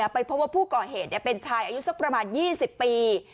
ไปพบว่าผู้ก่อเหตุเป็นสักประมาณ๒๐ปี